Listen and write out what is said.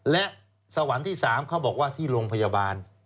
และสวรรค์ที่๓เขาบอกว่าที่โรงพยาบาล